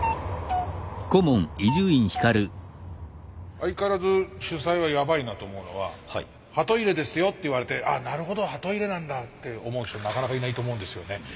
相変わらず主宰はやばいなと思うのはハト入れですよって言われて「あなるほどハト入れなんだ」って思う人なかなかいないと思うんですよね。